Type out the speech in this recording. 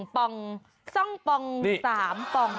๑ปอง๒ปอง๓ปอง